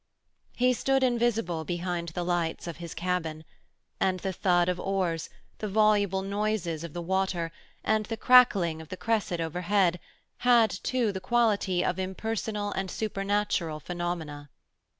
He stood invisible behind the lights of his cabin; and the thud of oars, the voluble noises of the water, and the crackling of the cresset overhead had, too, the quality of impersonal and supernatural phenomena.